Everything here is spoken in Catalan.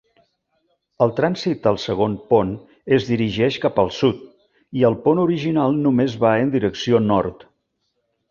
El trànsit al segon pont es dirigeix cap al sud, i al pont original només va en direcció nord.